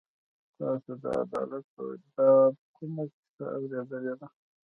تاسو د عدالت په باب کومه کیسه اورېدلې ده.